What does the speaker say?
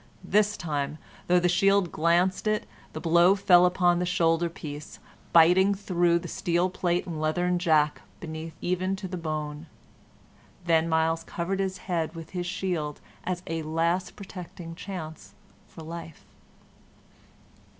This time, though the shield glanced it, the blow fell upon the shoulder piece, biting through the steel plate and leathern jack beneath even to the bone. Then Myles covered his head with his shield as a last protecting chance for life.